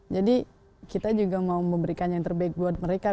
jadi kita juga mau memberikan yang terbaik buat mereka